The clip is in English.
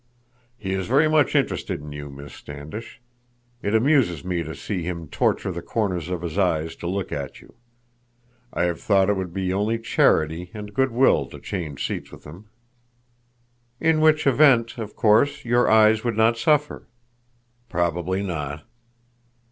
"He is very much interested in you, Miss Standish. It amuses me to see him torture the corners of his eyes to look at you. I have thought it would be only charity and good will to change seats with him." "In which event, of course, your eyes would not suffer." "Probably not."